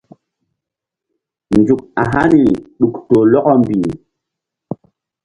Nzuk a haniri ɗuk toh lɔkɔ mbih.